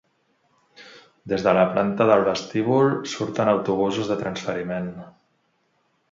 Des de la planta del vestíbul surten autobusos de transferiment.